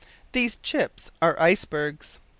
These chips are ice bergs!